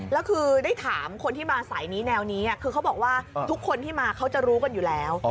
แล้วคือได้ถามคนที่มาสายนี้แนวนี้คือเขาบอกว่าทุกคนที่มาเขาจะรู้กันอยู่แล้ว